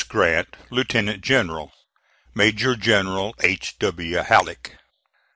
GRANT, Lieutenant General. "MAJOR GENERAL H. W. HALLECK."